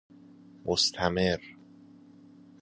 مستمر